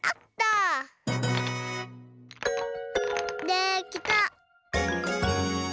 できた！